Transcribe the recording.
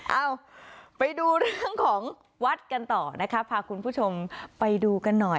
เอ้าไปดูเรื่องของวัดกันต่อนะคะพาคุณผู้ชมไปดูกันหน่อย